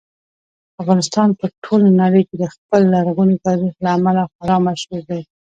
افغانستان په ټوله نړۍ کې د خپل لرغوني تاریخ له امله خورا مشهور دی.